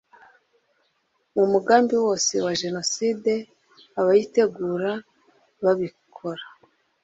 mu mugambi wose wa jenoside, abayitegura babikora